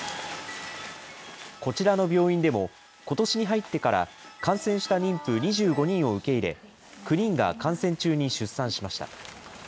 こちらの病院でも、ことしに入ってから、感染した妊婦２５人を受け入れ、９人が感染中に出産しました。